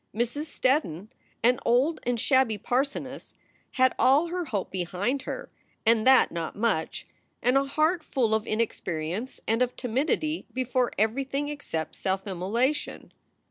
Mrs. Steddon, an old and shabby parsoness, had all her hope behind her and that not much, and a heart full of inexperience and of timidity before everything except self immolation.